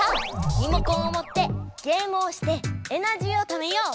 リモコンをもってゲームをしてエナジーをためよう！